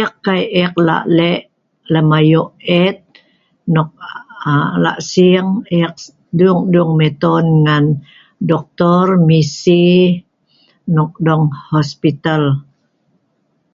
eek'kai eek'lek'lem ayo' eet nok la sing'eek dung'-dung' miton doktor misi' nok dong hospital.